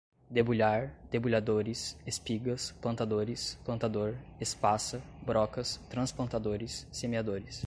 debulhar, debulhadores, espigas, plantadores, plantador, espaça, brocas, transplantadores, semeadores